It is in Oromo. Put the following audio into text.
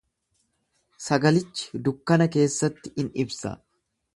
Sagalichi dukkana keessatti in ibsa.